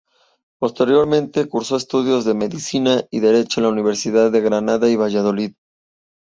Posteriormente, cursó estudios de Medicina y Derecho en las universidades de Granada y Valladolid.